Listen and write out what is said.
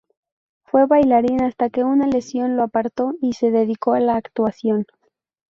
Fue bailarín hasta que una lesión lo apartó y se dedicó a la actuación.